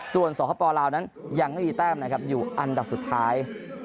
ส่วนสคปลาวนั้นยังไม่มีแต้มนะครับอยู่อันดับสุดท้าย